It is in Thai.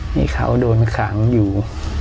นี่เขาโดนขังอยู่